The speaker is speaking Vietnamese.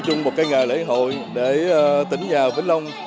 là chung một cái nghề lễ hội để tỉnh nhà vĩnh long